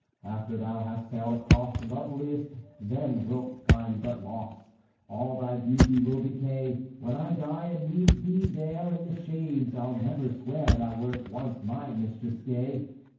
"After thou hast sailed across, Loveliest, then wilt find but loss— All thy beauty will decay. When I die and meet thee there In the shades I'll never swear Thou wert once my mistress gay!